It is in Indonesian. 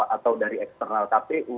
atau dari eksternal kpu